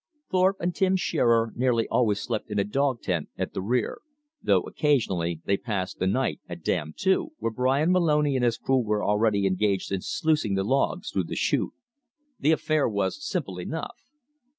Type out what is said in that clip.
Thorpe and Tim Shearer nearly always slept in a dog tent at the rear; though occasionally they passed the night at Dam Two, where Bryan Moloney and his crew were already engaged in sluicing the logs through the chute. The affair was simple enough.